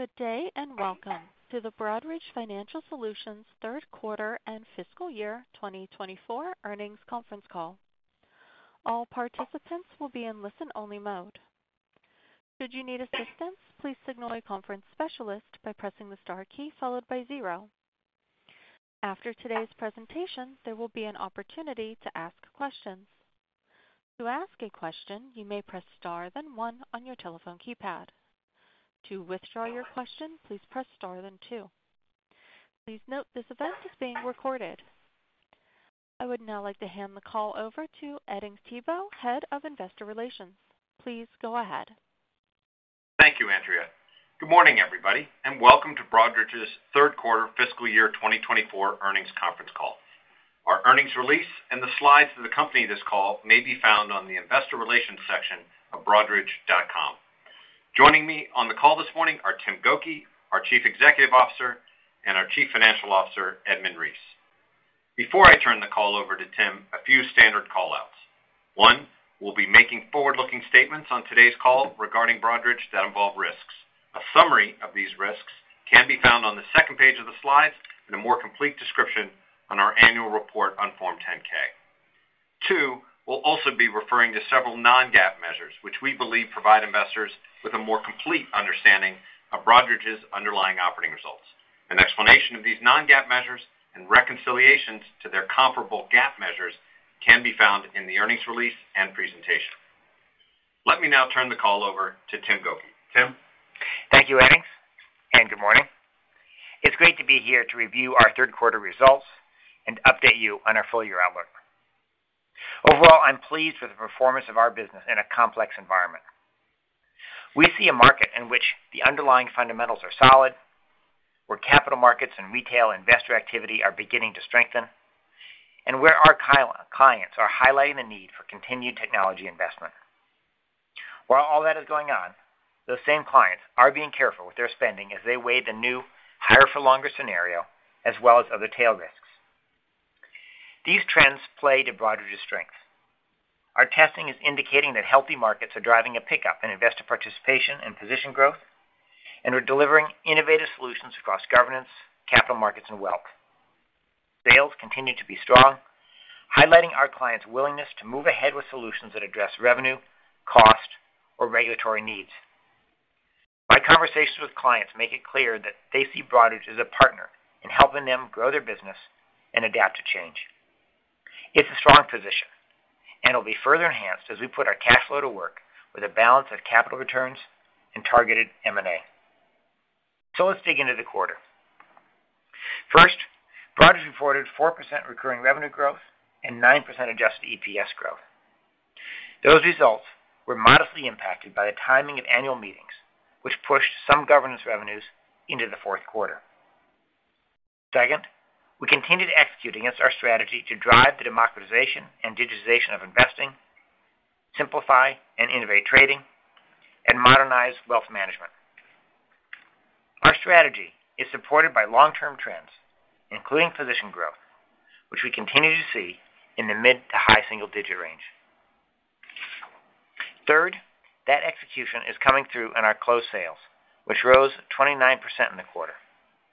Good day and welcome to the Broadridge Financial Solutions Third Quarter and Fiscal Year 2024 Earnings Conference Call. All participants will be in listen-only mode. Should you need assistance, please signal a conference specialist by pressing the star key followed by zero. After today's presentation, there will be an opportunity to ask questions. To ask a question, you may press star then one on your telephone keypad. To withdraw your question, please press star then two. Please note this event is being recorded. I would now like to hand the call over to Edings Thibault, Head of Investor Relations. Please go ahead. Thank you, Andrea. Good morning, everybody, and welcome to Broadridge's third quarter fiscal year 2024 earnings conference call. Our earnings release and the slides for the company this call may be found on the investor relations section of broadridge.com. Joining me on the call this morning are Tim Gokey, our Chief Executive Officer, and our Chief Financial Officer, Edmund Reese. Before I turn the call over to Tim, a few standard callouts. One, we'll be making forward-looking statements on today's call regarding Broadridge that involve risks. A summary of these risks can be found on the second page of the slides and a more complete description on our annual report on Form 10-K. Two, we'll also be referring to several non-GAAP measures, which we believe provide investors with a more complete understanding of Broadridge's underlying operating results. An explanation of these non-GAAP measures and reconciliations to their comparable GAAP measures can be found in the earnings release and presentation. Let me now turn the call over to Tim Gokey. Tim? Thank you, Edings, and good morning. It's great to be here to review our third quarter results and update you on our full-year outlook. Overall, I'm pleased with the performance of our business in a complex environment. We see a market in which the underlying fundamentals are solid, where capital markets and retail investor activity are beginning to strengthen, and where our clients are highlighting the need for continued technology investment. While all that is going on, those same clients are being careful with their spending as they weigh the new higher-for-longer scenario as well as other tail risks. These trends play to Broadridge's strengths. Our testing is indicating that healthy markets are driving a pickup in investor participation and position growth, and we're delivering innovative solutions across governance, capital markets, and wealth. Sales continue to be strong, highlighting our clients' willingness to move ahead with solutions that address revenue, cost, or regulatory needs. My conversations with clients make it clear that they see Broadridge as a partner in helping them grow their business and adapt to change. It's a strong position, and it'll be further enhanced as we put our cash flow to work with a balance of capital returns and targeted M&A. So let's dig into the quarter. First, Broadridge reported 4% recurring revenue growth and 9% adjusted EPS growth. Those results were modestly impacted by the timing of annual meetings, which pushed some governance revenues into the fourth quarter. Second, we continue to execute against our strategy to drive the democratization and digitization of investing, simplify and innovate trading, and modernize wealth management. Our strategy is supported by long-term trends, including position growth, which we continue to see in the mid to high single-digit range. Third, that execution is coming through in our closed sales, which rose 29% in the quarter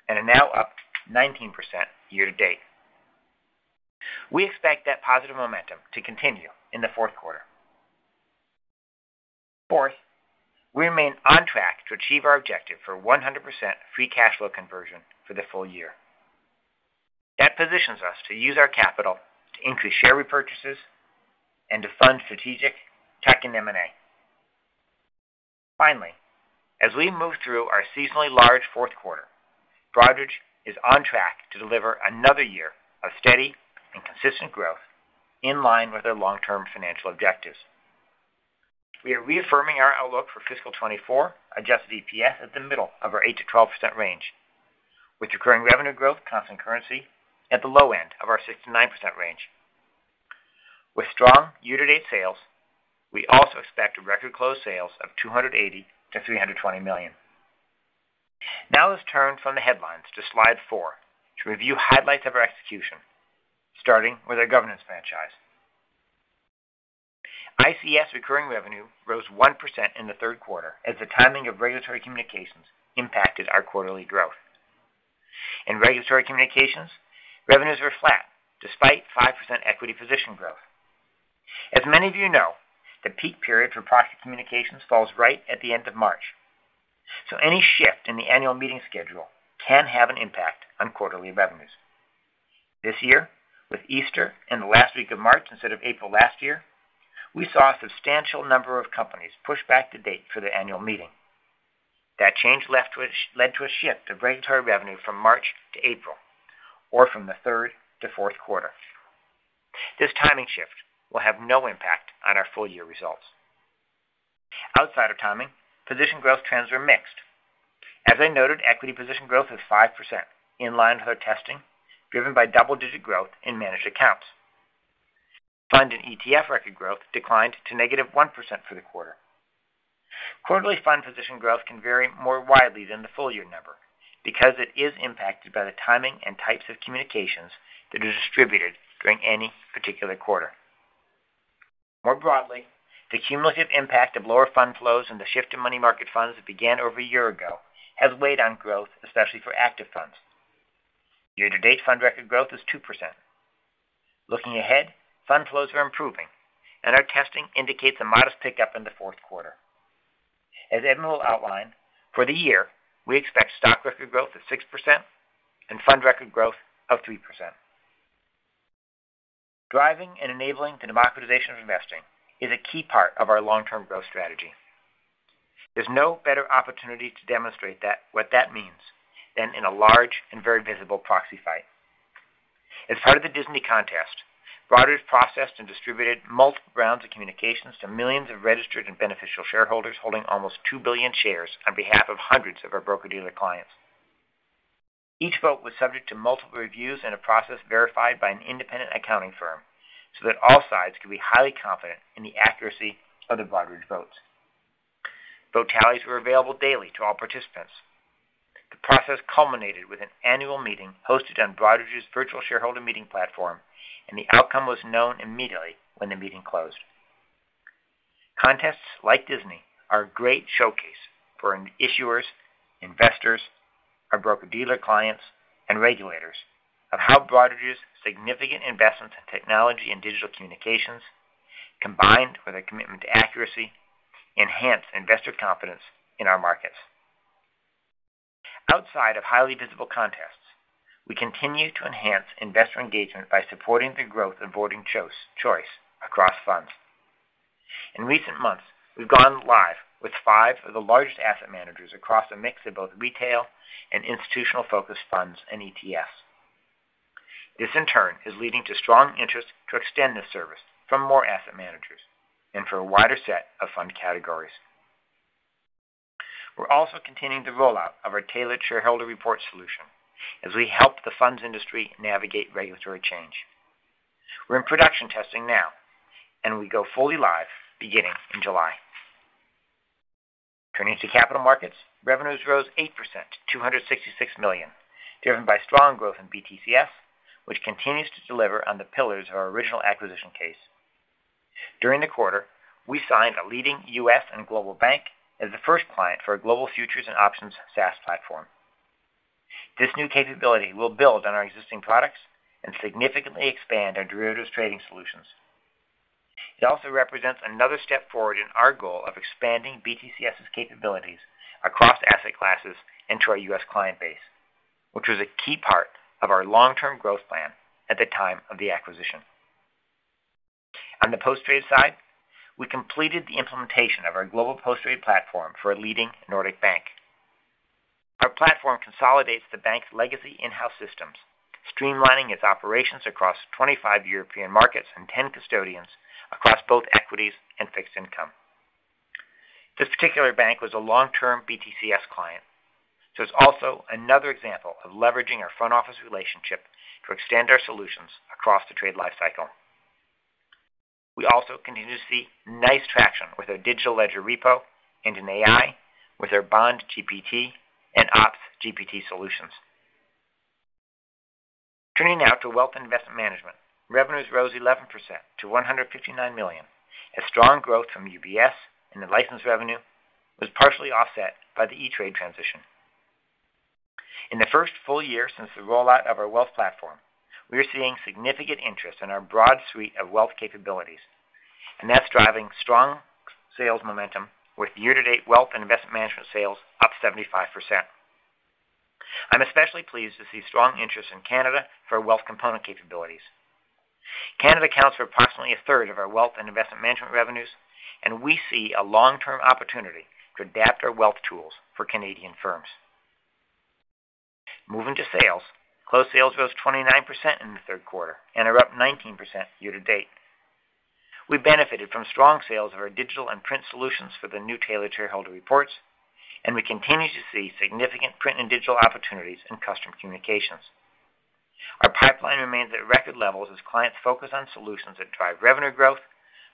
and are now up 19% year to date. We expect that positive momentum to continue in the fourth quarter. Fourth, we remain on track to achieve our objective for 100% free cash flow conversion for the full year. That positions us to use our capital to increase share repurchases and to fund strategic tuck-in M&A. Finally, as we move through our seasonally large fourth quarter, Broadridge is on track to deliver another year of steady and consistent growth in line with our long-term financial objectives. We are reaffirming our outlook for fiscal 2024 adjusted EPS at the middle of our 8%-12% range, with recurring revenue growth constant currency at the low end of our 6%-9% range. With strong year-to-date sales, we also expect record closed sales of $280 million-$320 million. Now let's turn from the headlines to slide 4 to review highlights of our execution, starting with our governance franchise. ICS recurring revenue rose 1% in the third quarter as the timing of regulatory communications impacted our quarterly growth. In regulatory communications, revenues were flat despite 5% equity position growth. As many of you know, the peak period for proxy communications falls right at the end of March, so any shift in the annual meeting schedule can have an impact on quarterly revenues. This year, with Easter and the last week of March instead of April last year, we saw a substantial number of companies push back the date for the annual meeting. That change led to a shift of regulatory revenue from March to April or from the third to fourth quarter. This timing shift will have no impact on our full-year results. Outside of timing, position growth trends were mixed. As I noted, equity position growth is 5% in line with our testing, driven by double-digit growth in managed accounts. Fund and ETF record growth declined to -1% for the quarter. Quarterly fund position growth can vary more widely than the full-year number because it is impacted by the timing and types of communications that are distributed during any particular quarter. More broadly, the cumulative impact of lower fund flows and the shift in money market funds that began over a year ago has weighed on growth, especially for active funds. Year-to-date fund record growth is 2%. Looking ahead, fund flows are improving, and our testing indicates a modest pickup in the fourth quarter. As Edmund will outline, for the year, we expect stock record growth of 6% and fund record growth of 3%. Driving and enabling the democratization of investing is a key part of our long-term growth strategy. There's no better opportunity to demonstrate what that means than in a large and very visible proxy fight. As part of the Disney contest, Broadridge processed and distributed multiple rounds of communications to millions of registered and beneficial shareholders holding almost 2 billion shares on behalf of hundreds of our broker-dealer clients. Each vote was subject to multiple reviews and a process verified by an independent accounting firm so that all sides could be highly confident in the accuracy of the Broadridge votes. Vote tallies were available daily to all participants. The process culminated with an annual meeting hosted on Broadridge's Virtual Shareholder Meeting platform, and the outcome was known immediately when the meeting closed. Contests like Disney are a great showcase for issuers, investors, our broker-dealer clients, and regulators of how Broadridge's significant investments in technology and digital communications, combined with a commitment to accuracy, enhance investor confidence in our markets. Outside of highly visible contests, we continue to enhance investor engagement by supporting the growth of voting choice across funds. In recent months, we've gone live with five of the largest asset managers across a mix of both retail and institutional-focused funds and ETFs. This, in turn, is leading to strong interest to extend this service from more asset managers and for a wider set of fund categories. We're also continuing the rollout of our Tailored Shareholder Report solution as we help the funds industry navigate regulatory change. We're in production testing now, and we go fully live beginning in July. Turning to capital markets, revenues rose 8% to $266 million, driven by strong growth in BTCS, which continues to deliver on the pillars of our original acquisition case. During the quarter, we signed a leading U.S. and global bank as the first client for a global futures and options SaaS platform. This new capability will build on our existing products and significantly expand our derivatives trading solutions. It also represents another step forward in our goal of expanding BTCS's capabilities across asset classes and to our U.S. client base, which was a key part of our long-term growth plan at the time of the acquisition. On the post-trade side, we completed the implementation of our global post-trade platform for a leading Nordic bank. Our platform consolidates the bank's legacy in-house systems, streamlining its operations across 25 European markets and 10 custodians across both equities and fixed income. This particular bank was a long-term BTCS client, so it's also another example of leveraging our front-office relationship to extend our solutions across the trade lifecycle. We also continue to see nice traction with our digital ledger repo and in AI with our BondGPT and OpsGPT solutions. Turning now to wealth and investment management, revenues rose 11% to $159 million as strong growth from UBS and the license revenue was partially offset by the E*TRADE transition. In the first full year since the rollout of our Wealth Platform, we are seeing significant interest in our broad suite of wealth capabilities, and that's driving strong sales momentum with year-to-date wealth and investment management sales up 75%. I'm especially pleased to see strong interest in Canada for wealth component capabilities. Canada accounts for approximately a third of our wealth and investment management revenues, and we see a long-term opportunity to adapt our wealth tools for Canadian firms. Moving to sales, closed sales rose 29% in the third quarter and are up 19% year to date. We've benefited from strong sales of our digital and print solutions for the new tailored shareholder reports, and we continue to see significant print and digital opportunities in custom communications. Our pipeline remains at record levels as clients focus on solutions that drive revenue growth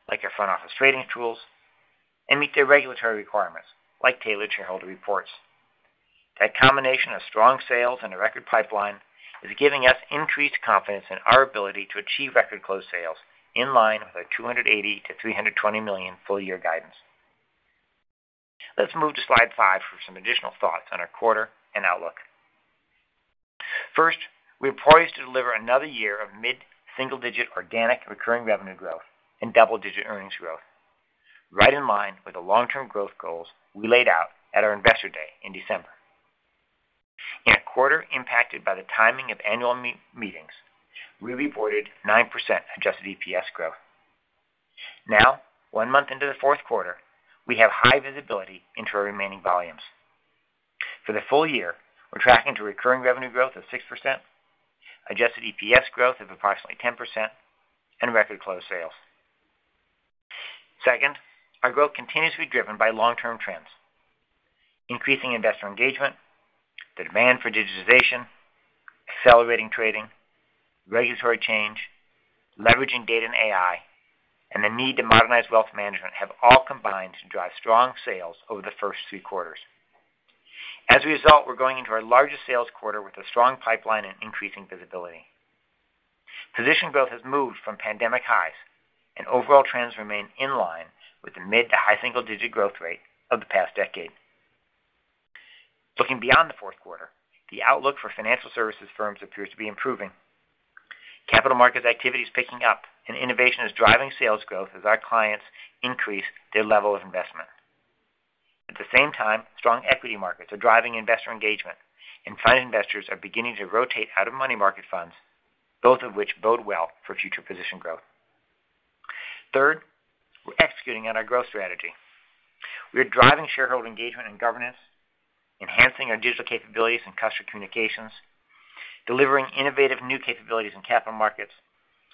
like our front-office trading tools and meet their regulatory requirements like tailored shareholder reports. That combination of strong sales and a record pipeline is giving us increased confidence in our ability to achieve record-closed sales in line with our $280 million-$320 million full-year guidance. Let's move to slide 5 for some additional thoughts on our quarter and outlook. First, we are poised to deliver another year of mid-single-digit organic recurring revenue growth and double-digit earnings growth, right in line with the long-term growth goals we laid out at our Investor Day in December. In a quarter impacted by the timing of annual meetings, we reported 9% adjusted EPS growth. Now, one month into the fourth quarter, we have high visibility into our remaining volumes. For the full year, we're tracking to recurring revenue growth of 6%, adjusted EPS growth of approximately 10%, and record-closed sales. Second, our growth continues to be driven by long-term trends. Increasing investor engagement, the demand for digitization, accelerating trading, regulatory change, leveraging data and AI, and the need to modernize wealth management have all combined to drive strong sales over the first three quarters. As a result, we're going into our largest sales quarter with a strong pipeline and increasing visibility. Position growth has moved from pandemic highs, and overall trends remain in line with the mid to high single-digit growth rate of the past decade. Looking beyond the fourth quarter, the outlook for financial services firms appears to be improving. Capital markets activity is picking up, and innovation is driving sales growth as our clients increase their level of investment. At the same time, strong equity markets are driving investor engagement, and fund investors are beginning to rotate out of money market funds, both of which bode well for future position growth. Third, we're executing on our growth strategy. We are driving shareholder engagement and governance, enhancing our digital capabilities and Customer Communications, delivering innovative new capabilities in capital markets,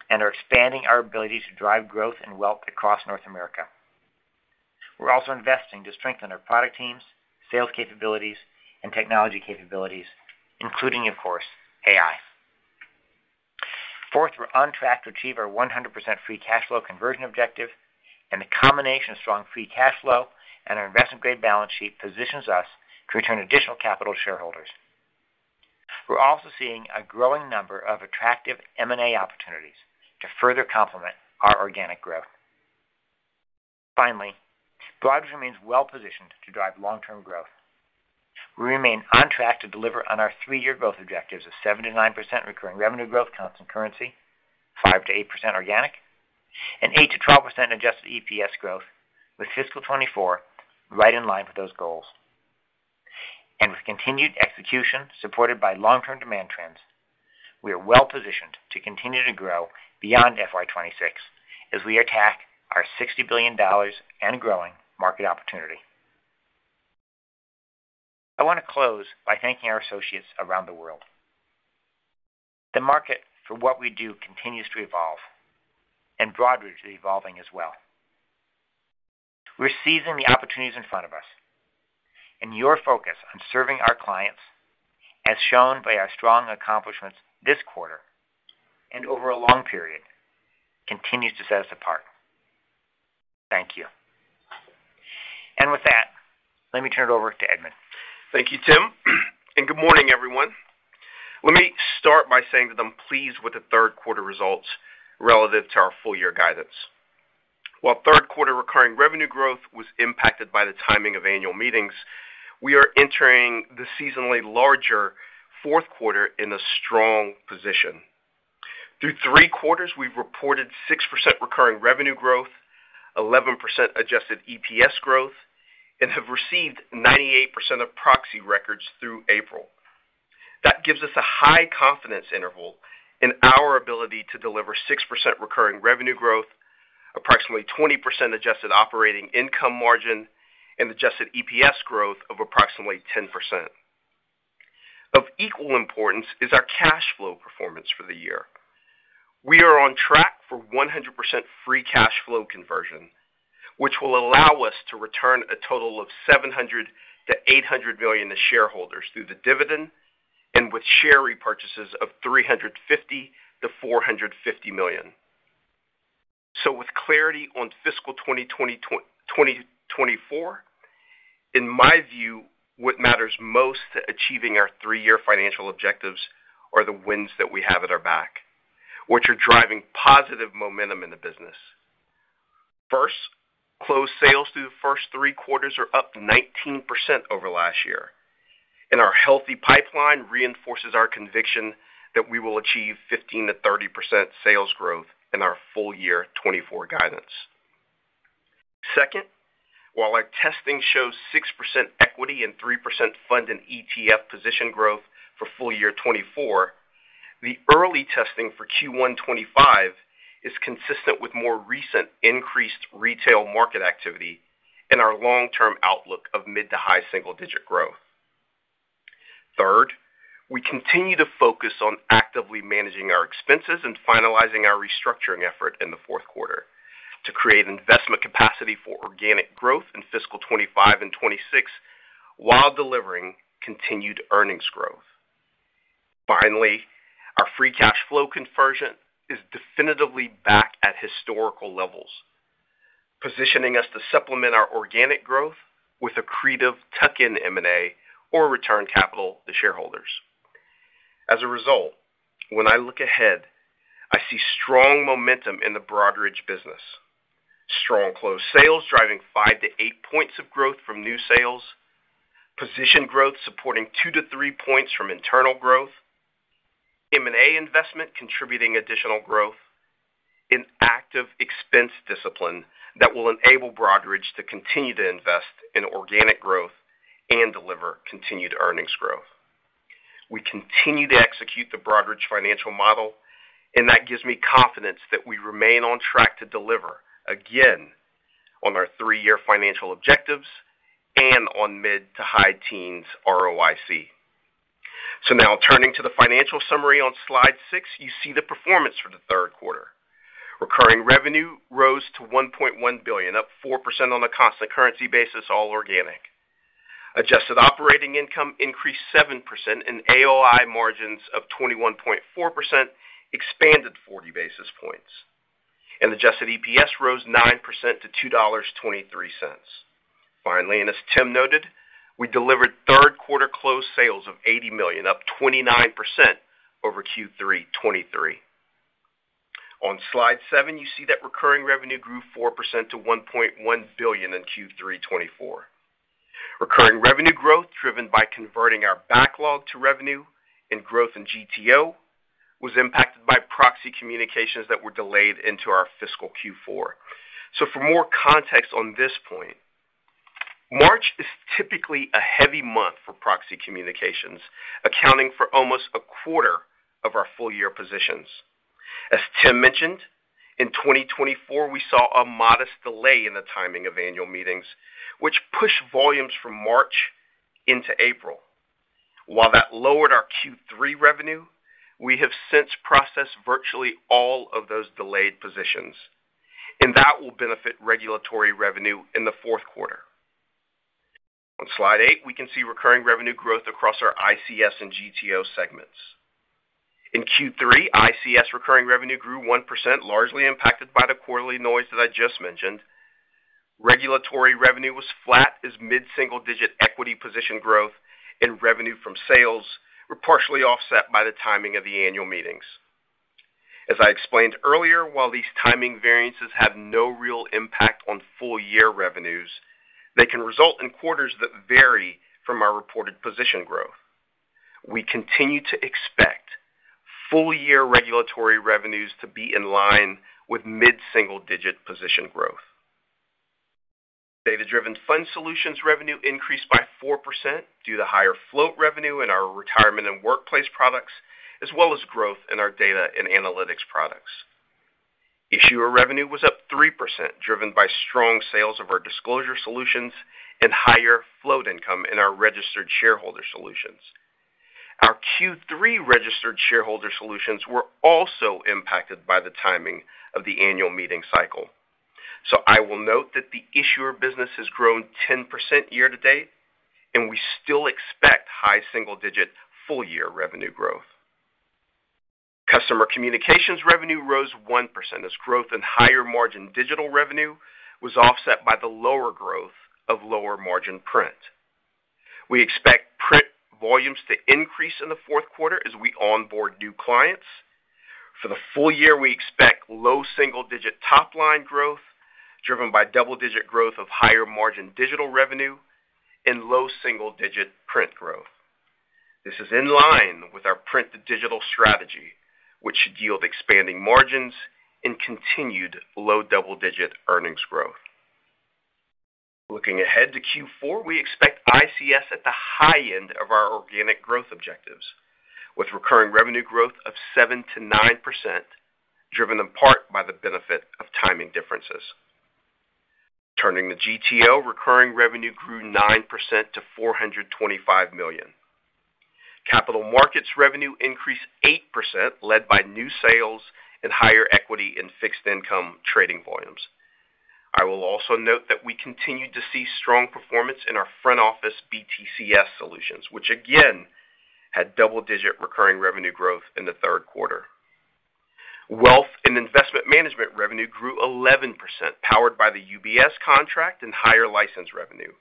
and are expanding our ability to drive growth and wealth across North America. We're also investing to strengthen our product teams, sales capabilities, and technology capabilities, including, of course, AI. Fourth, we're on track to achieve our 100% free cash flow conversion objective, and the combination of strong free cash flow and our investment-grade balance sheet positions us to return additional capital to shareholders. We're also seeing a growing number of attractive M&A opportunities to further complement our organic growth. Finally, Broadridge remains well-positioned to drive long-term growth. We remain on track to deliver on our three-year growth objectives of 7%-9% recurring revenue growth constant currency, 5%-8% organic, and 8%-12% adjusted EPS growth with fiscal 2024 right in line with those goals. And with continued execution supported by long-term demand trends, we are well-positioned to continue to grow beyond FY 2026 as we attack our $60 billion and growing market opportunity. I want to close by thanking our associates around the world. The market for what we do continues to evolve, and Broadridge is evolving as well. We're seizing the opportunities in front of us, and your focus on serving our clients, as shown by our strong accomplishments this quarter and over a long period, continues to set us apart. Thank you. With that, let me turn it over to Edmund. Thank you, Tim. Good morning, everyone. Let me start by saying that I'm pleased with the third quarter results relative to our full-year guidance. While third quarter recurring revenue growth was impacted by the timing of annual meetings, we are entering the seasonally larger fourth quarter in a strong position. Through three quarters, we've reported 6% recurring revenue growth, 11% adjusted EPS growth, and have received 98% of proxy records through April. That gives us a high confidence interval in our ability to deliver 6% recurring revenue growth, approximately 20% adjusted operating income margin, and adjusted EPS growth of approximately 10%. Of equal importance is our cash flow performance for the year. We are on track for 100% free cash flow conversion, which will allow us to return a total of $700 million-$800 million to shareholders through the dividend and with share repurchases of $350 million-$450 million. So with clarity on fiscal 2024, in my view, what matters most to achieving our three-year financial objectives are the wins that we have at our back, which are driving positive momentum in the business. First, closed sales through the first three quarters are up 19% over last year, and our healthy pipeline reinforces our conviction that we will achieve 15%-30% sales growth in our full-year 2024 guidance. Second, while our testing shows 6% equity and 3% fund and ETF position growth for full-year 2024, the early testing for Q1 2025 is consistent with more recent increased retail market activity and our long-term outlook of mid to high single-digit growth. Third, we continue to focus on actively managing our expenses and finalizing our restructuring effort in the fourth quarter to create investment capacity for organic growth in fiscal 2025 and 2026 while delivering continued earnings growth. Finally, our free cash flow conversion is definitively back at historical levels, positioning us to supplement our organic growth with a creative tuck-in M&A or return capital to shareholders. As a result, when I look ahead, I see strong momentum in the Broadridge business, strong closed sales driving 5-8 points of growth from new sales, position growth supporting 2-3 points from internal growth, M&A investment contributing additional growth, and active expense discipline that will enable Broadridge to continue to invest in organic growth and deliver continued earnings growth. We continue to execute the Broadridge financial model, and that gives me confidence that we remain on track to deliver, again, on our three-year financial objectives and on mid- to high-teens ROIC. So now, turning to the financial summary on slide 6, you see the performance for the third quarter. Recurring revenue rose to $1.1 billion, up 4% on a constant currency basis, all organic. Adjusted operating income increased 7%, and AOI margins of 21.4% expanded 40 basis points. Adjusted EPS rose 9% to $2.23. Finally, and as Tim noted, we delivered third quarter closed sales of $80 million, up 29% over Q3 2023. On slide 7, you see that recurring revenue grew 4% to $1.1 billion in Q3 2024. Recurring revenue growth driven by converting our backlog to revenue and growth in GTO was impacted by proxy communications that were delayed into our fiscal Q4. For more context on this point, March is typically a heavy month for proxy communications, accounting for almost a quarter of our full-year positions. As Tim mentioned, in 2024, we saw a modest delay in the timing of annual meetings, which pushed volumes from March into April. While that lowered our Q3 revenue, we have since processed virtually all of those delayed positions, and that will benefit regulatory revenue in the fourth quarter. On slide 8, we can see recurring revenue growth across our ICS and GTO segments. In Q3, ICS recurring revenue grew 1%, largely impacted by the quarterly noise that I just mentioned. Regulatory revenue was flat as mid-single-digit equity position growth and revenue from sales were partially offset by the timing of the annual meetings. As I explained earlier, while these timing variances have no real impact on full-year revenues, they can result in quarters that vary from our reported position growth. We continue to expect full-year regulatory revenues to be in line with mid-single-digit position growth. Data-Driven Fund Solutions revenue increased by 4% due to higher float revenue in our retirement and workplace products, as well as growth in our data and analytics products. Issuer revenue was up 3%, driven by strong sales of our disclosure solutions and higher float income in our Registered Shareholder Solutions. Our Q3 Registered Shareholder Solutions were also impacted by the timing of the annual meeting cycle. So I will note that the issuer business has grown 10% year to date, and we still expect high single-digit full-year revenue growth. Customer Communications revenue rose 1% as growth in higher margin digital revenue was offset by the lower growth of lower margin print. We expect print volumes to increase in the fourth quarter as we onboard new clients. For the full year, we expect low single-digit top-line growth driven by double-digit growth of higher margin digital revenue and low single-digit print growth. This is in line with our print-to-digital strategy, which should yield expanding margins and continued low double-digit earnings growth. Looking ahead to Q4, we expect ICS at the high end of our organic growth objectives, with recurring revenue growth of 7%-9%, driven in part by the benefit of timing differences. Turning to GTO, recurring revenue grew 9% to $425 million. Capital markets revenue increased 8%, led by new sales and higher equity in fixed income trading volumes. I will also note that we continue to see strong performance in our front office BTCS solutions, which again had double-digit recurring revenue growth in the third quarter. Wealth and investment management revenue grew 11%, powered by the UBS contract and higher license revenue,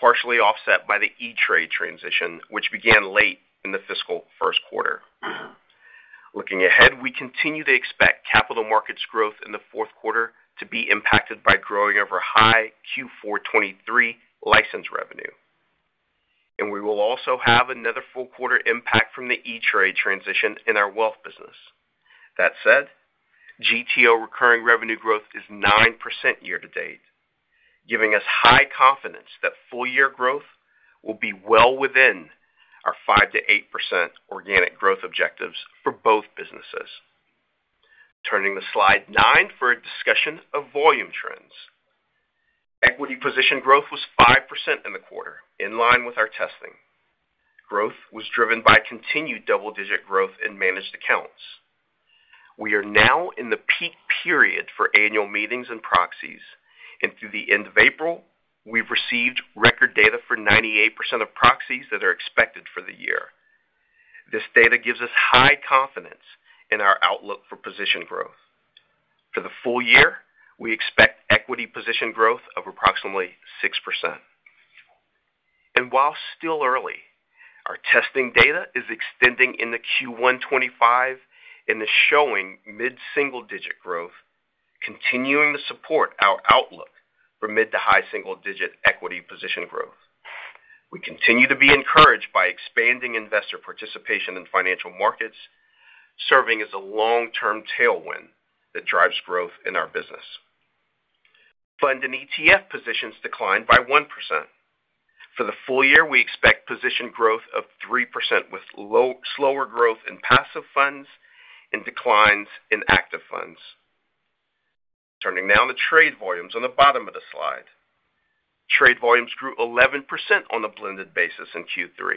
partially offset by the E*TRADE transition, which began late in the fiscal first quarter. Looking ahead, we continue to expect capital markets growth in the fourth quarter to be impacted by growth over high Q4 2023 license revenue. We will also have another full quarter impact from the E*TRADE transition in our wealth business. That said, GTO recurring revenue growth is 9% year to date, giving us high confidence that full-year growth will be well within our 5%-8% organic growth objectives for both businesses. Turning to slide 9 for a discussion of volume trends. Equity position growth was 5% in the quarter, in line with our expectations. Growth was driven by continued double-digit growth in managed accounts. We are now in the peak period for annual meetings and proxies, and through the end of April, we've received record date for 98% of proxies that are expected for the year. This data gives us high confidence in our outlook for position growth. For the full year, we expect equity position growth of approximately 6%. While still early, our testing data is extending into Q1 2025 and is showing mid-single-digit growth, continuing to support our outlook for mid to high single-digit equity position growth. We continue to be encouraged by expanding investor participation in financial markets, serving as a long-term tailwind that drives growth in our business. Fund and ETF positions declined by 1%. For the full year, we expect position growth of 3% with slower growth in passive funds and declines in active funds. Turning now to trade volumes on the bottom of the slide. Trade volumes grew 11% on a blended basis in Q3.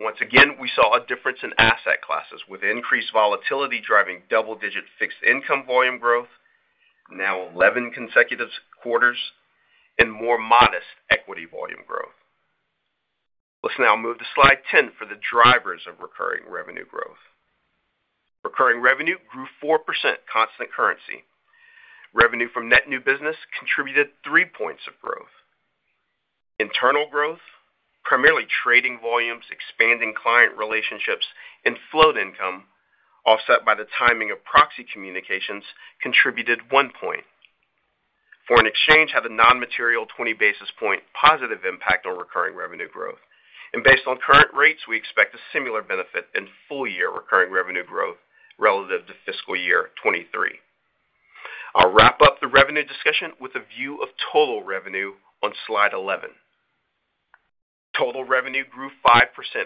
Once again, we saw a difference in asset classes with increased volatility driving double-digit fixed income volume growth, now 11 consecutive quarters, and more modest equity volume growth. Let's now move to slide 10 for the drivers of recurring revenue growth. Recurring revenue grew 4% constant currency. Revenue from net new business contributed 3 points of growth. Internal growth, primarily trading volumes, expanding client relationships, and float income, offset by the timing of proxy communications, contributed 1 point. Foreign exchange had a non-material 20 basis points positive impact on recurring revenue growth, and based on current rates, we expect a similar benefit in full-year recurring revenue growth relative to fiscal year 2023. I'll wrap up the revenue discussion with a view of total revenue on slide 11. Total revenue grew 5%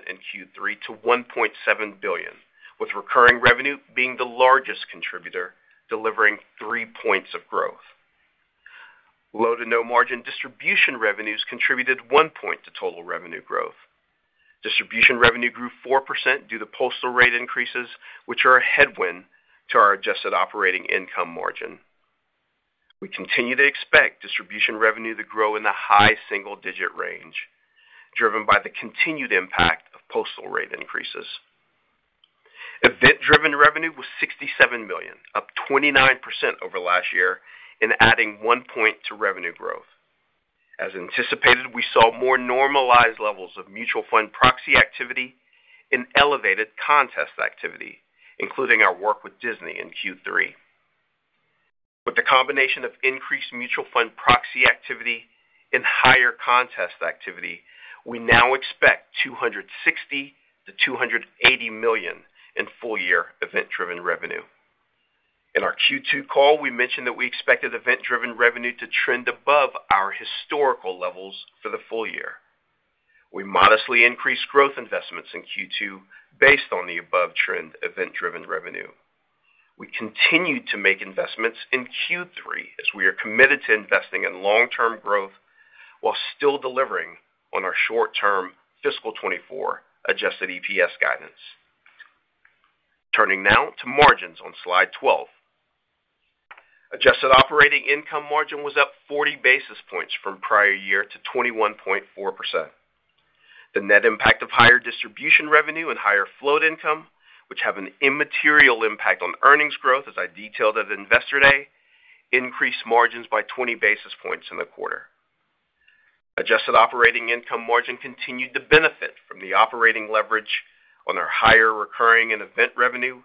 in Q3 to $1.7 billion, with recurring revenue being the largest contributor, delivering 3 points of growth. Low to no margin distribution revenues contributed 1 point to total revenue growth. Distribution revenue grew 4% due to postal rate increases, which are a headwind to our adjusted operating income margin. We continue to expect distribution revenue to grow in the high single-digit range, driven by the continued impact of postal rate increases. Event-driven revenue was $67 million, up 29% over last year, and adding 1 point to revenue growth. As anticipated, we saw more normalized levels of mutual fund proxy activity and elevated contest activity, including our work with Disney in Q3. With the combination of increased mutual fund proxy activity and higher contest activity, we now expect $260 million-$280 million in full-year event-driven revenue. In our Q2 call, we mentioned that we expected event-driven revenue to trend above our historical levels for the full year. We modestly increased growth investments in Q2 based on the above-trend event-driven revenue. We continue to make investments in Q3 as we are committed to investing in long-term growth while still delivering on our short-term fiscal 2024 adjusted EPS guidance. Turning now to margins on slide 12. Adjusted operating income margin was up 40 basis points from prior year to 21.4%. The net impact of higher distribution revenue and higher float income, which have an immaterial impact on earnings growth, as I detailed at investor day, increased margins by 20 basis points in the quarter. Adjusted operating income margin continued to benefit from the operating leverage on our higher recurring and event revenue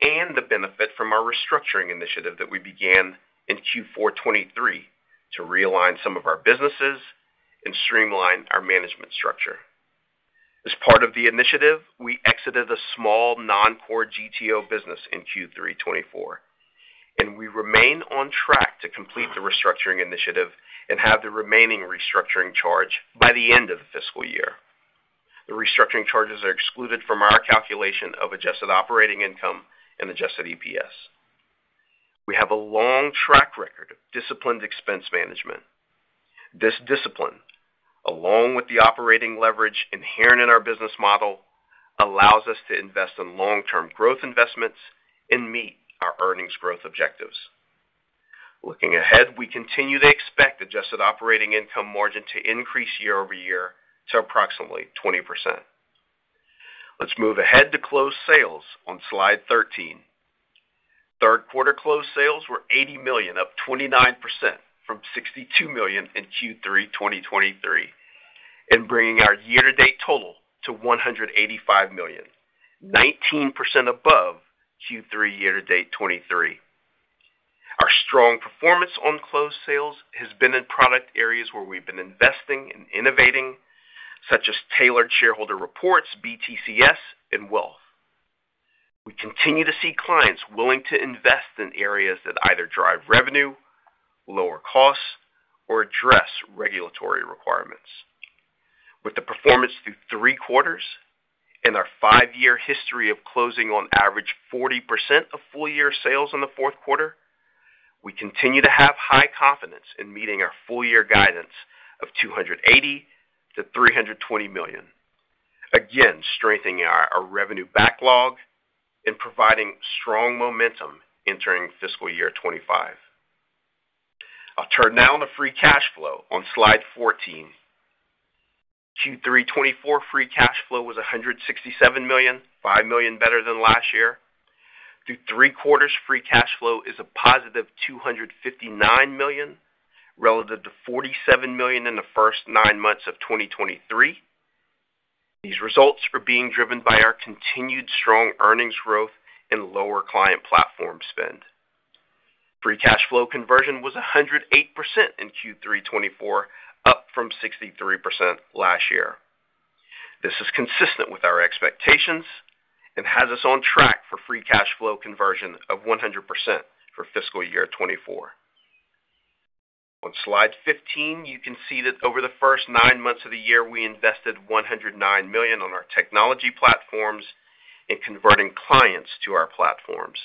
and the benefit from our restructuring initiative that we began in Q4 2023 to realign some of our businesses and streamline our management structure. As part of the initiative, we exited a small non-core GTO business in Q3 2024, and we remain on track to complete the restructuring initiative and have the remaining restructuring charge by the end of the fiscal year. The restructuring charges are excluded from our calculation of adjusted operating income and adjusted EPS. We have a long track record of disciplined expense management. This discipline, along with the operating leverage inherent in our business model, allows us to invest in long-term growth investments and meet our earnings growth objectives. Looking ahead, we continue to expect adjusted operating income margin to increase year-over-year to approximately 20%. Let's move ahead to closed sales on slide 13. Third quarter closed sales were $80 million, up 29% from $62 million in Q3 2023, and bringing our year-to-date total to $185 million, 19% above Q3 year-to-date 2023. Our strong performance on closed sales has been in product areas where we've been investing and innovating, such as tailored shareholder reports, BTCS, and wealth. We continue to see clients willing to invest in areas that either drive revenue, lower costs, or address regulatory requirements. With the performance through three quarters and our five-year history of closing on average 40% of full-year sales in the fourth quarter, we continue to have high confidence in meeting our full-year guidance of $280 million-$320 million, again strengthening our revenue backlog and providing strong momentum entering fiscal year 2025. I'll turn now to free cash flow on slide 14. Q3 2024 free cash flow was $167 million, $5 million better than last year. Through three quarters, free cash flow is a positive $259 million relative to $47 million in the first nine months of 2023. These results are being driven by our continued strong earnings growth and lower client platform spend. Free cash flow conversion was 108% in Q3 2024, up from 63% last year. This is consistent with our expectations and has us on track for free cash flow conversion of 100% for fiscal year 2024. On slide 15, you can see that over the first nine months of the year, we invested $109 million on our technology platforms and converting clients to our platforms.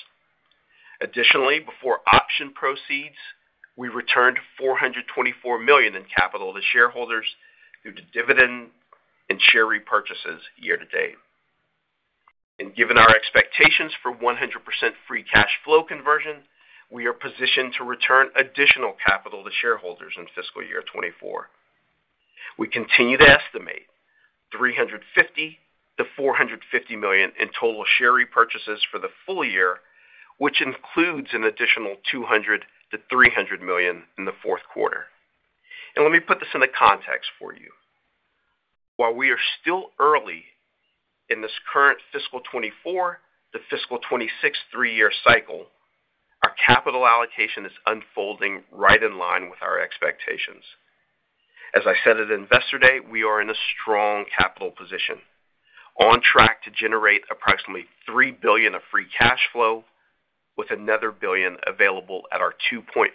Additionally, before option proceeds, we returned $424 million in capital to shareholders due to dividend and share repurchases year to date. Given our expectations for 100% free cash flow conversion, we are positioned to return additional capital to shareholders in fiscal year 2024. We continue to estimate $350 million-$450 million in total share repurchases for the full year, which includes an additional $200 million-$300 million in the fourth quarter. Let me put this in the context for you. While we are still early in this current fiscal 2024 to fiscal 2026 three-year cycle, our capital allocation is unfolding right in line with our expectations. As I said at investor day, we are in a strong capital position, on track to generate approximately $3 billion of free cash flow with another $1 billion available at our 2.5x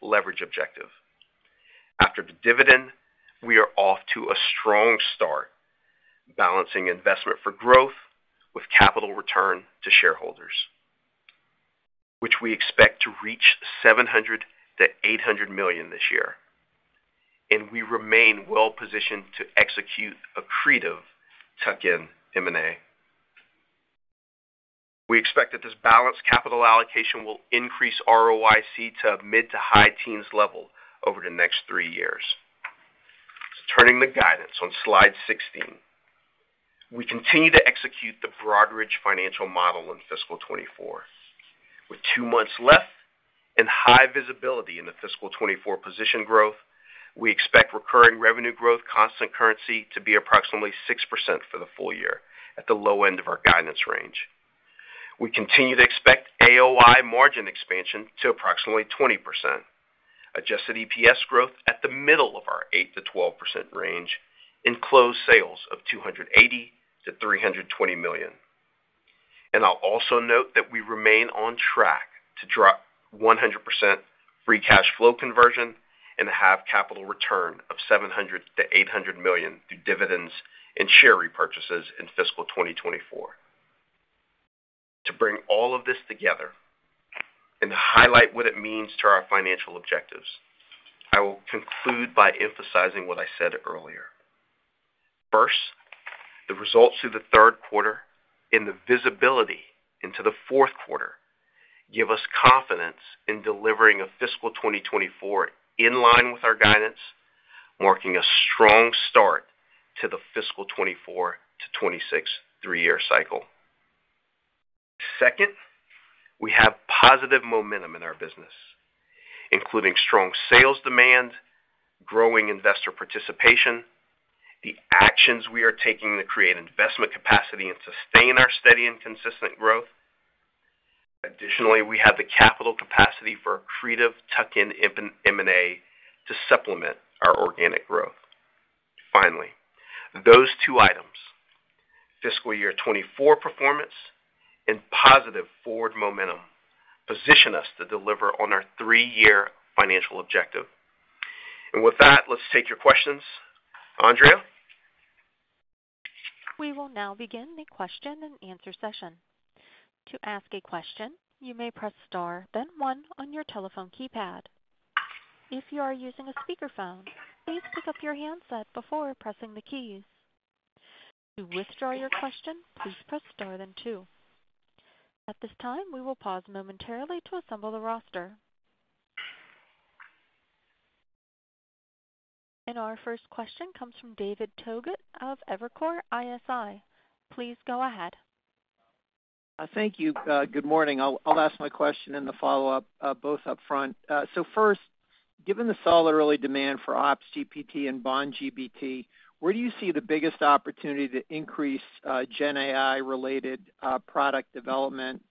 leverage objective. After the dividend, we are off to a strong start balancing investment for growth with capital return to shareholders, which we expect to reach $700 million-$800 million this year. We remain well positioned to execute a creative tuck-in M&A. We expect that this balanced capital allocation will increase ROIC to mid- to high-teens level over the next three years. Turning to guidance on slide 16. We continue to execute the Broadridge Financial Model in fiscal 2024. With two months left and high visibility in the fiscal 2024 position growth, we expect recurring revenue growth constant currency to be approximately 6% for the full year at the low end of our guidance range. We continue to expect AOI margin expansion to approximately 20%, adjusted EPS growth at the middle of our 8%-12% range, and closed sales of $280 million-$320 million. And I'll also note that we remain on track to drop 100% free cash flow conversion and have capital return of $700 million-$800 million through dividends and share repurchases in fiscal 2024. To bring all of this together and to highlight what it means to our financial objectives, I will conclude by emphasizing what I said earlier. First, the results through the third quarter and the visibility into the fourth quarter give us confidence in delivering a fiscal 2024 in line with our guidance, marking a strong start to the fiscal 2024 to 2026 three-year cycle. Second, we have positive momentum in our business, including strong sales demand, growing investor participation, the actions we are taking to create investment capacity and sustain our steady and consistent growth. Additionally, we have the capital capacity for a creative tuck-in M&A to supplement our organic growth. Finally, those two items, fiscal year 2024 performance and positive forward momentum, position us to deliver on our three-year financial objective. And with that, let's take your questions. Andrea? We will now begin the question and answer session. To ask a question, you may press star, then one on your telephone keypad. If you are using a speakerphone, please pick up your handset before pressing the keys. To withdraw your question, please press star, then two. At this time, we will pause momentarily to assemble the roster. Our first question comes from David Togut of Evercore ISI. Please go ahead. Thank you. Good morning. I'll ask my question and the follow-up both upfront. So first, given the solid early demand for OpsGPT and BondGPT, where do you see the biggest opportunity to increase GenAI-related product development?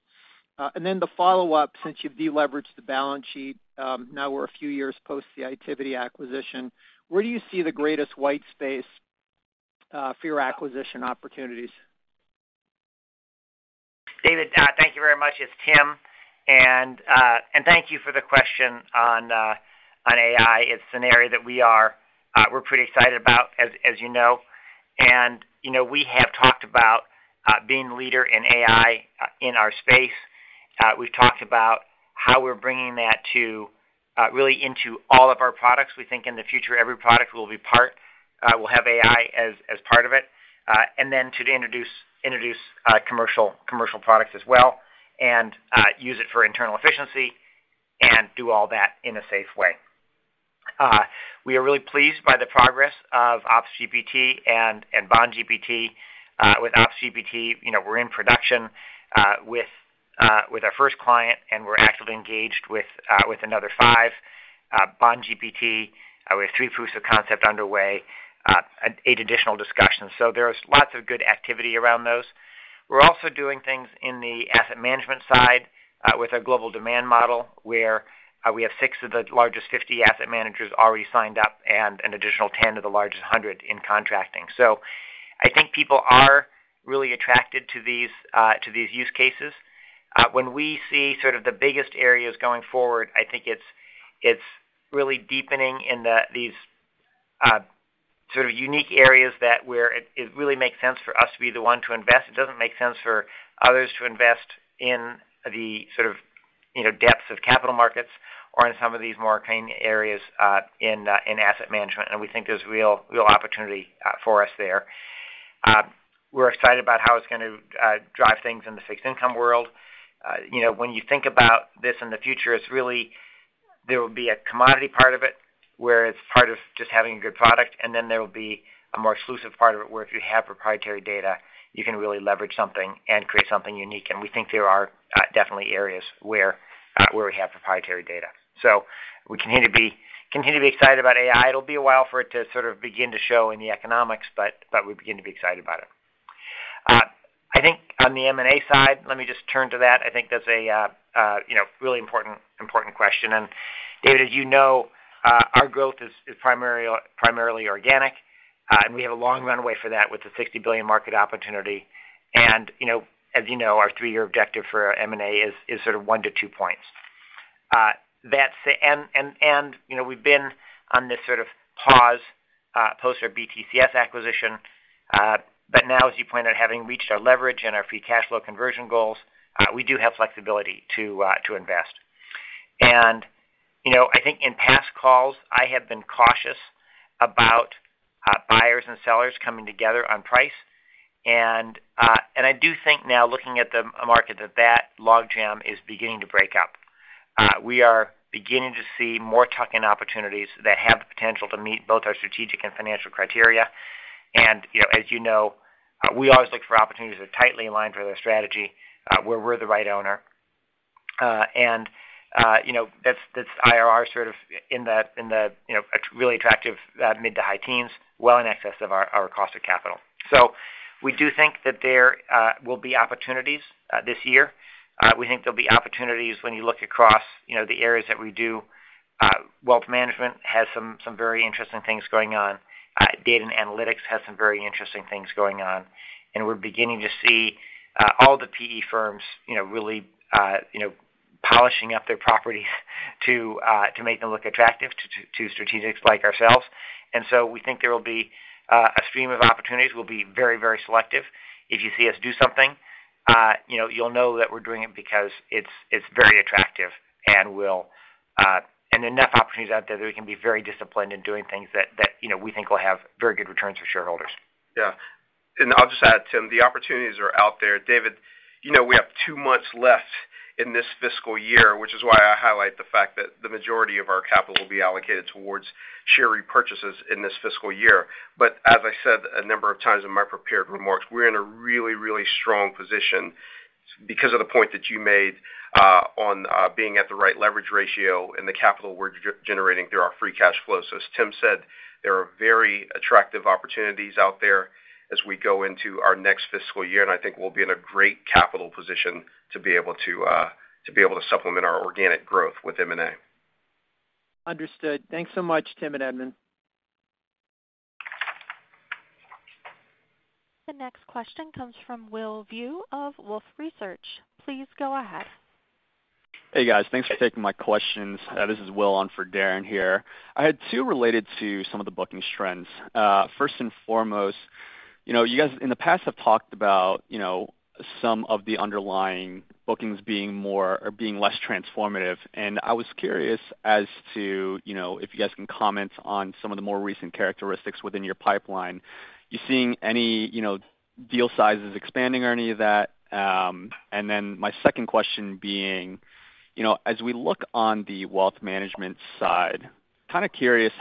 And then the follow-up, since you've deleveraged the balance sheet, now we're a few years post the Itiviti acquisition, where do you see the greatest white space for your acquisition opportunities? David, thank you very much. It's Tim. Thank you for the question on AI. It's a scenario that we're pretty excited about, as you know. We have talked about being a leader in AI in our space. We've talked about how we're bringing that really into all of our products. We think in the future, every product will be part will have AI as part of it. Then to introduce commercial products as well and use it for internal efficiency and do all that in a safe way. We are really pleased by the progress of OpsGPT and BondGPT. With OpsGPT, we're in production with our first client, and we're actively engaged with another five. BondGPT, we have three proofs of concept underway, eight additional discussions. So there's lots of good activity around those. We're also doing things in the asset management side with our global demand model where we have six of the largest 50 asset managers already signed up and an additional 10 of the largest 100 in contracting. So I think people are really attracted to these use cases. When we see sort of the biggest areas going forward, I think it's really deepening in these sort of unique areas that it really makes sense for us to be the one to invest. It doesn't make sense for others to invest in the sort of depths of capital markets or in some of these more key areas in asset management. And we think there's real opportunity for us there. We're excited about how it's going to drive things in the fixed income world. When you think about this in the future, it's really there will be a commodity part of it where it's part of just having a good product, and then there will be a more exclusive part of it where if you have proprietary data, you can really leverage something and create something unique. And we think there are definitely areas where we have proprietary data. So we continue to be excited about AI. It'll be a while for it to sort of begin to show in the economics, but we begin to be excited about it. I think on the M&A side, let me just turn to that. I think that's a really important question. And David, as you know, our growth is primarily organic, and we have a long runway for that with the $60 billion market opportunity. And as you know, our 3-year objective for M&A is sort of 1-2 points. And we've been on this sort of pause post our BTCS acquisition. But now, as you point out, having reached our leverage and our free cash flow conversion goals, we do have flexibility to invest. And I think in past calls, I have been cautious about buyers and sellers coming together on price. And I do think now, looking at the market, that that log jam is beginning to break up. We are beginning to see more tuck-in opportunities that have the potential to meet both our strategic and financial criteria. And as you know, we always look for opportunities that are tightly aligned with our strategy where we're the right owner. And that's IRR sort of in the really attractive mid- to high teens, well in excess of our cost of capital. So we do think that there will be opportunities this year. We think there'll be opportunities when you look across the areas that we do. Wealth management has some very interesting things going on. Data and analytics has some very interesting things going on. And we're beginning to see all the PE firms really polishing up their properties to make them look attractive to strategics like ourselves. And so we think there will be a stream of opportunities. We'll be very, very selective. If you see us do something, you'll know that we're doing it because it's very attractive and enough opportunities out there that we can be very disciplined in doing things that we think will have very good returns for shareholders. Yeah. And I'll just add, Tim, the opportunities are out there. David, we have two months left in this fiscal year, which is why I highlight the fact that the majority of our capital will be allocated towards share repurchases in this fiscal year. But as I said a number of times in my prepared remarks, we're in a really, really strong position because of the point that you made on being at the right leverage ratio and the capital we're generating through our free cash flow. So as Tim said, there are very attractive opportunities out there as we go into our next fiscal year. And I think we'll be in a great capital position to be able to supplement our organic growth with M&A. Understood. Thanks so much, Tim and Edmund. The next question comes from Will Vu of Wolfe Research. Please go ahead. Hey, guys. Thanks for taking my questions. This is Will on for Darrin here. I had two related to some of the bookings trends. First and foremost, you guys in the past have talked about some of the underlying bookings being less transformative. And I was curious as to if you guys can comment on some of the more recent characteristics within your pipeline. You seeing any deal sizes expanding or any of that? And then my second question being, as we look on the wealth management side, kind of curious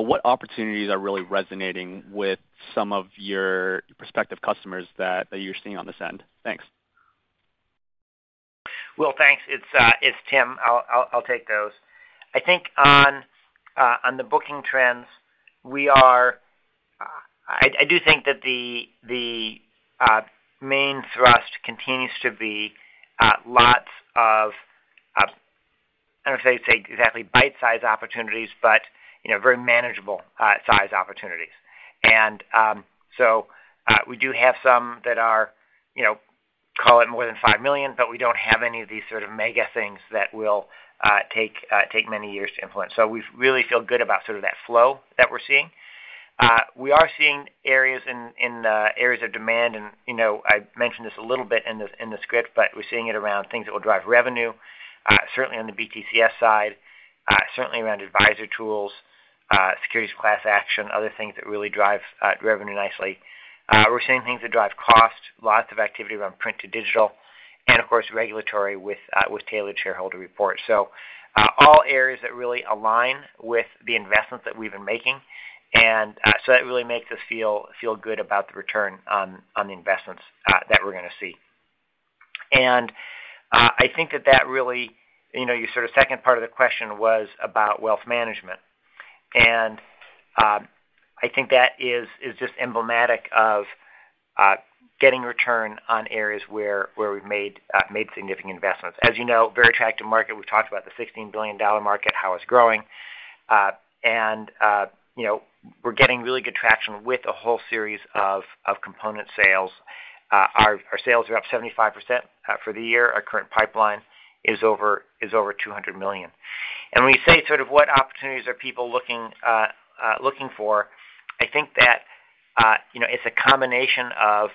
what opportunities are really resonating with some of your prospective customers that you're seeing on this end. Thanks. Will, thanks. It's Tim. I'll take those. I think on the booking trends, I do think that the main thrust continues to be lots of, I don't know if I'd say exactly, bite-sized opportunities, but very manageable-sized opportunities. And so we do have some that are, call it, more than $5 million, but we don't have any of these sort of mega things that will take many years to implement. So we really feel good about sort of that flow that we're seeing. We are seeing areas of demand, and I mentioned this a little bit in the script, but we're seeing it around things that will drive revenue, certainly on the BTCS side, certainly around advisor tools, securities class action, other things that really drive revenue nicely. We're seeing things that drive cost, lots of activity around print to digital, and, of course, regulatory with Tailored Shareholder Reports. So all areas that really align with the investments that we've been making. And so that really makes us feel good about the return on the investments that we're going to see. And I think that that really your sort of second part of the question was about wealth management. And I think that is just emblematic of getting return on areas where we've made significant investments. As you know, very attractive market. We've talked about the $16 billion market, how it's growing. And we're getting really good traction with a whole series of component sales. Our sales are up 75% for the year. Our current pipeline is over $200 million. And when you say sort of what opportunities are people looking for, I think that it's a combination of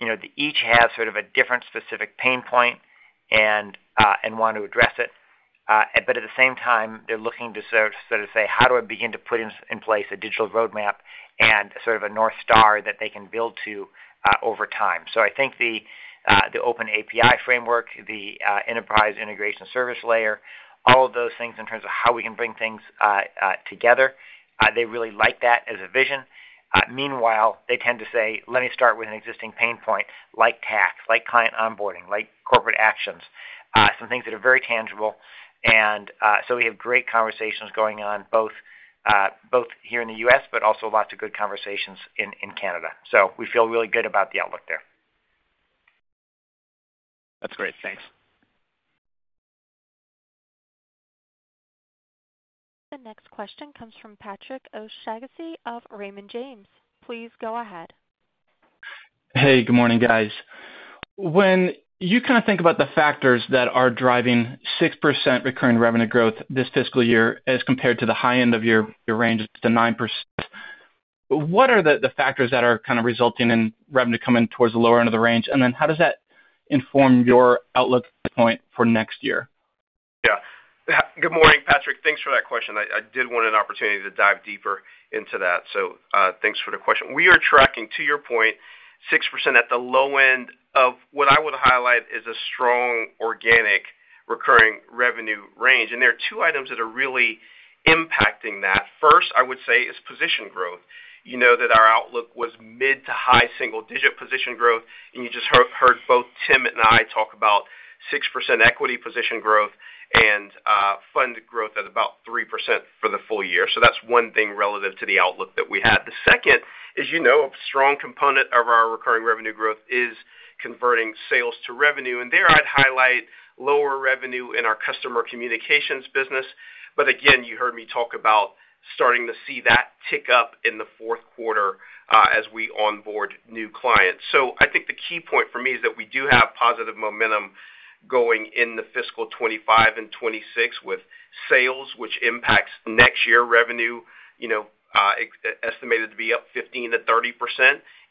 they each have sort of a different specific pain point and want to address it. But at the same time, they're looking to sort of say, "How do I begin to put in place a digital roadmap and sort of a north star that they can build to over time?" So I think the open API framework, the enterprise integration service layer, all of those things in terms of how we can bring things together, they really like that as a vision. Meanwhile, they tend to say, "Let me start with an existing pain point like tax, like client onboarding, like corporate actions," some things that are very tangible. And so we have great conversations going on both here in the U.S., but also lots of good conversations in Canada. So we feel really good about the outlook there. That's great. Thanks. The next question comes from Patrick O'Shaughnessy of Raymond James. Please go ahead. Hey, good morning, guys. When you kind of think about the factors that are driving 6% recurring revenue growth this fiscal year as compared to the high end of your range, it's the 9%, what are the factors that are kind of resulting in revenue coming towards the lower end of the range? And then how does that inform your outlook at this point for next year? Yeah. Good morning, Patrick. Thanks for that question. I did want an opportunity to dive deeper into that. So thanks for the question. We are tracking, to your point, 6% at the low end of what I would highlight as a strong organic recurring revenue range. And there are two items that are really impacting that. First, I would say is position growth, that our outlook was mid- to high single-digit position growth. And you just heard both Tim and I talk about 6% equity position growth and fund growth at about 3% for the full year. So that's one thing relative to the outlook that we had. The second is a strong component of our recurring revenue growth is converting sales to revenue. And there, I'd highlight lower revenue in our Customer Communications business. But again, you heard me talk about starting to see that tick up in the fourth quarter as we onboard new clients. So I think the key point for me is that we do have positive momentum going in the fiscal 2025 and 2026 with sales, which impacts next year revenue estimated to be up 15%-30%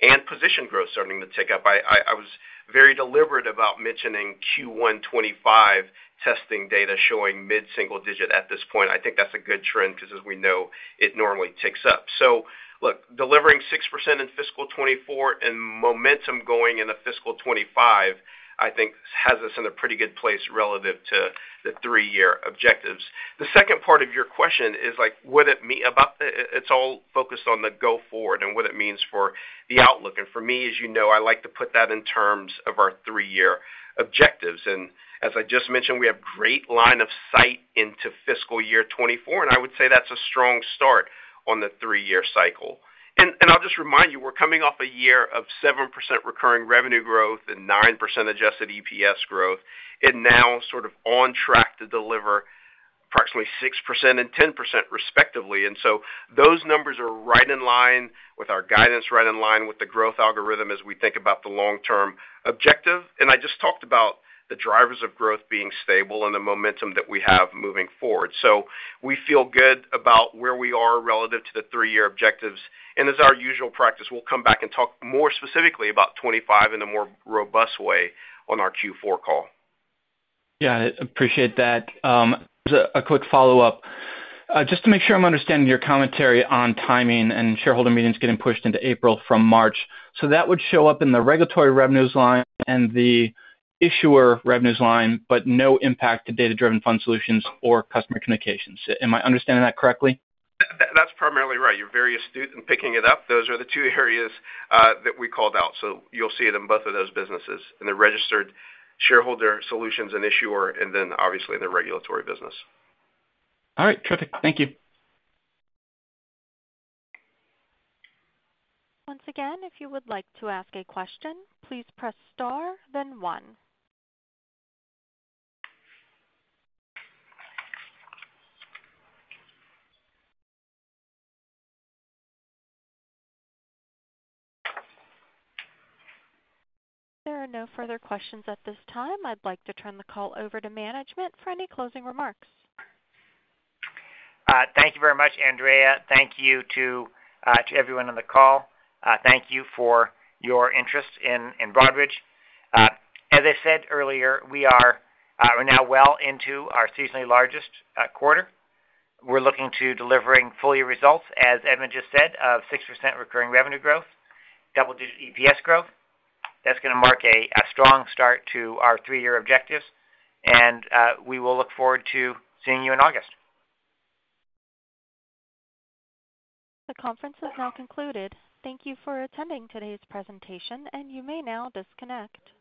and position growth starting to tick up. I was very deliberate about mentioning Q1 2025 testing data showing mid single digit at this point. I think that's a good trend because, as we know, it normally ticks up. So look, delivering 6% in fiscal 2024 and momentum going into fiscal 2025, I think, has us in a pretty good place relative to the three-year objectives. The second part of your question is, what about? It's all focused on the go forward and what it means for the outlook. For me, as you know, I like to put that in terms of our three-year objectives. As I just mentioned, we have great line of sight into fiscal year 2024. I would say that's a strong start on the three-year cycle. I'll just remind you, we're coming off a year of 7% recurring revenue growth and 9% adjusted EPS growth. It now sort of on track to deliver approximately 6% and 10%, respectively. Those numbers are right in line with our guidance, right in line with the growth algorithm as we think about the long-term objective. I just talked about the drivers of growth being stable and the momentum that we have moving forward. We feel good about where we are relative to the three-year objectives. As our usual practice, we'll come back and talk more specifically about 2025 in a more robust way on our Q4 call. Yeah. I appreciate that. A quick follow-up. Just to make sure I'm understanding your commentary on timing and shareholder meetings getting pushed into April from March, so that would show up in the regulatory revenues line and the issuer revenues line, but no impact to Data-Driven Fund Solutions or Customer Communications. Am I understanding that correctly? That's primarily right. You're very astute in picking it up. Those are the two areas that we called out. So you'll see it in both of those businesses, in the registered shareholder solutions and issuer, and then, obviously, in the regulatory business. All right. Terrific. Thank you. Once again, if you would like to ask a question, please press star, then 1. There are no further questions at this time. I'd like to turn the call over to management for any closing remarks. Thank you very much, Andrea. Thank you to everyone on the call. Thank you for your interest in Broadridge. As I said earlier, we are now well into our seasonally largest quarter. We're looking to deliver fully results, as Edmund just said, of 6% recurring revenue growth, double-digit EPS growth. That's going to mark a strong start to our three-year objectives. And we will look forward to seeing you in August. The conference is now concluded. Thank you for attending today's presentation, and you may now disconnect.